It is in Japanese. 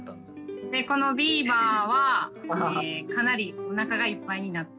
このビーバーはかなりおなかがいっぱいになって。